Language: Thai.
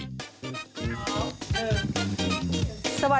เยอะ